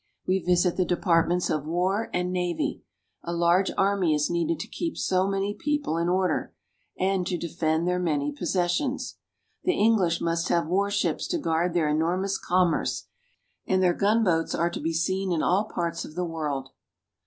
We visit the Departments of War and Navy. A large army is needed to keep so many people in order, and to defend their many possessions. The English must have war ships to guard their enormous commerce, and their gunboats are to be seen in all parts of the world.